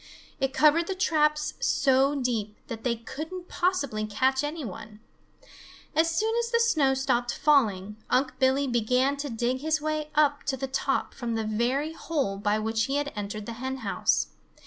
It covered the traps so deep that they couldn't possibly catch any one. As soon as the snow stopped falling, Unc' Billy began to dig his way up to the top from the very hole by which he had entered the hen house.